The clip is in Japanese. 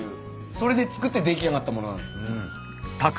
それで作って出来上がった物なんです。